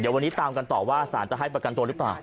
วันนี้ตามกันต่อว่าสารจะให้ประกันตัวหรือเปล่า